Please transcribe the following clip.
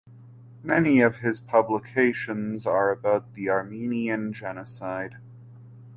Many of his publications are about the Armenian genocide.